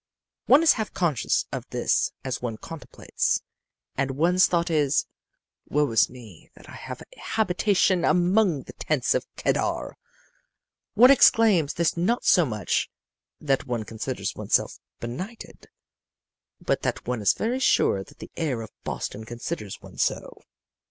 "One is half conscious of this as one contemplates, and one's thought is, 'Woe is me that I have my habitation among the tents of Kedar!' One exclaims this not so much that one considers oneself benighted, but that one is very sure that the air of Boston considers one so.